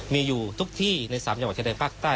มีอยู่ทุกที่ใน๓จังหวัดชายแดนภาคใต้